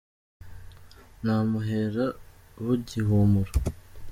Namuhera bugihumura